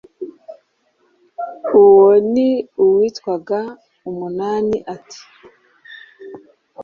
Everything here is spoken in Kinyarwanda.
Uwo ni uwitwaga Umunani. Ati: